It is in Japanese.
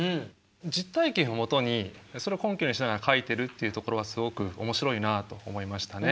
実体験をもとにそれを根拠にしながら書いてるっていうところはすごく面白いなあと思いましたね。